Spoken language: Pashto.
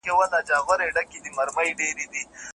چي له تقریباً نیمي پېړۍ راهیسي